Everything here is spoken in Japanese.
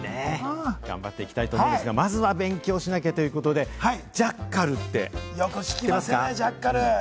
頑張っていきたいんですが、まずは勉強しなきゃということで、ジャッカルって聞きますよね。